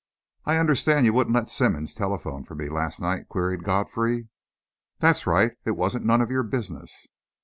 "I understand you wouldn't let Simmonds telephone for me last night?" queried Godfrey. "That's right it wasn't none of your business."